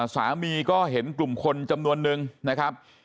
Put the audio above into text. สามีก็เห็นกลุ่มคนจำนวนนึงนะครับ